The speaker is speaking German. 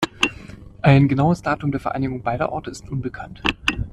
Ein genaues Datum der Vereinigung beider Orte ist unbekannt.